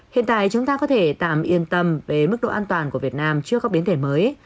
hiện tại chúng ta có thể tạm yên tâm về mức độ an toàn của việt nam trước các biến thể mới